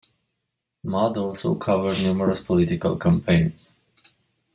Mudd also covered numerous political campaigns.